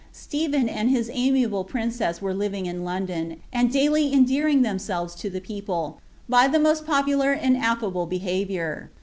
Stephen and his amiable princess were living in London, and daily endearing themselves to the people, by the roost popular and affiible behaviour.